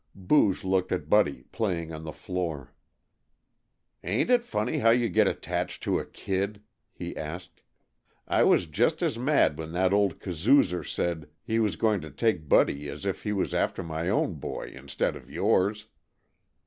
Booge looked at Buddy, playing on the floor. "Ain't it funny how you get attached to a kid?" he asked. "I was just as mad when that old kazoozer said he was going to take Buddy as if he was after my own boy, instead of yours."